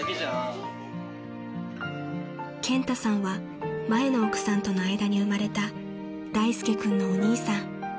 ［健太さんは前の奥さんとの間に生まれた大介君のお兄さん］